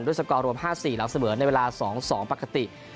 สกอร์รวม๕๔หลังเสมอในเวลา๒๒ปกติ